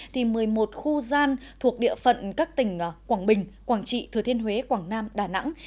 thì một mươi một khu gian thuộc địa phận các tỉnh quảng bình quảng trị thừa thiên huế quảng nam đà nẵng